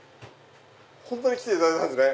本当に来ていただいたんですね。